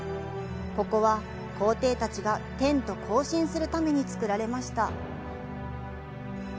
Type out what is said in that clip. ここは、皇帝たちが天と交信するために造られました。